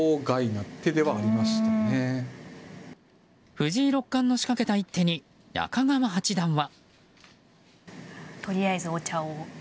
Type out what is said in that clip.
藤井六冠の仕掛けた一手に中川八段は。